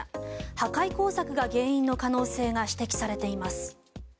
破壊工作が原因の可能性が指摘されています。